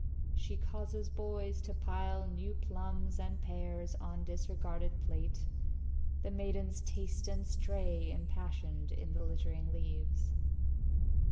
She causes boys to pile new plums and pears On disregarded plate. The maidens taste And stray impassioned in the littering leaves.